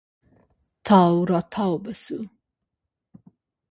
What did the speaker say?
تاو راتاو به سو.